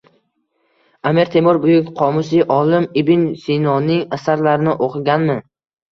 Amir Temur buyuk qomusiy olim Ibn Sinoning asarlarini o‘qiganmi?